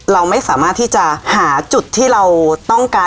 เราไม่สามารถที่จะหาจุดที่เราต้องการ